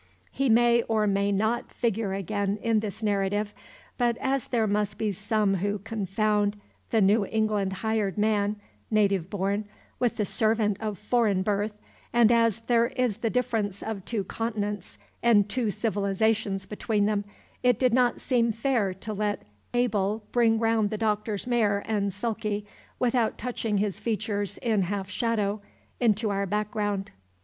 He may or may not figure again in this narrative; but as there must be some who confound the New England hired man, native born, with the servant of foreign birth, and as there is the difference of two continents and two civilizations between them, it did not seem fair to let Abel bring round the Doctor's mare and sulky without touching his features in half shadow into our background.